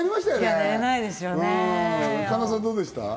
神田さん、どうでした？